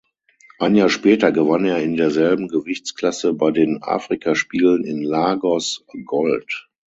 Ein Jahr später gewann er in derselben Gewichtsklasse bei den Afrikaspielen in Lagos Gold.